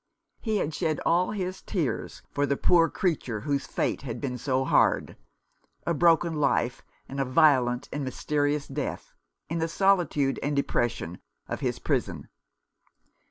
He had shed all his tears for the poor creature whose fate had been so hard (a broken life and a violent and mysterious death) in the solitude and depression of his prison.